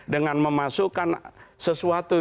dengan memasukkan sesuatu